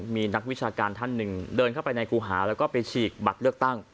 มีนักวิชาการท่านหนึ่งเดินเข้าไปในครูหาแล้วก็ไปฉีกบัตรเลือกตั้ง